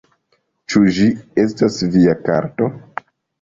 Ĉu ĝi estas via karto?